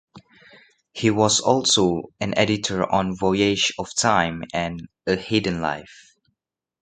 He was also an editor on "Voyage of Time" and "A Hidden Life".